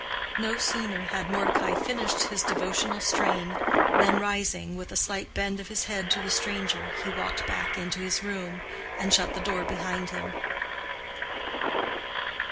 No sooner had Mordecai finished his devotional strain, than rising, with a slight bend of his head to the stranger, he walked back into his room, and shut the door behind him.